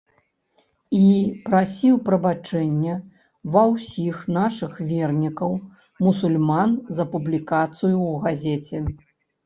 І прасіў прабачэння ва ўсіх нашых вернікаў мусульман за публікацыю ў газеце.